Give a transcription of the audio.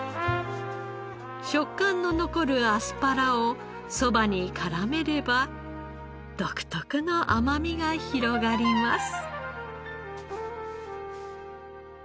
食感の残るアスパラをそばに絡めれば独特の甘みが広がります。